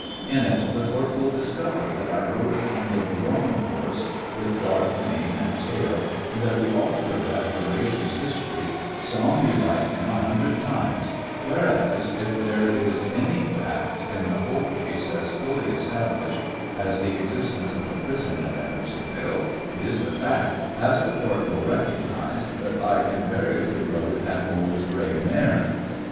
In it, the court will discover that I i'ode a kind of roan horse, with dark mane and tail, and that the author of that veracious history saw me ride him a hundred times, whereas, if there is any fact in the whole case as fully established as the existence of a prison at Anderson ville, it is the fact, as the court will recognize, that I invariable rode an old gray mare.